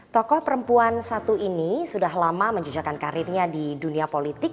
tokoh perempuan satu ini sudah lama menjejakan karirnya di dunia politik